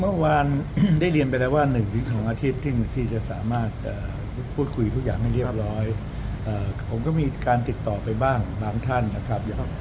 เมื่อวานได้เรียนไปแล้วว่า๑๒อาทิตย์ที่จะสามารถพูดคุยทุกอย่างให้เรียบร้อยผมก็มีการติดต่อไปบ้างบางท่านนะครับ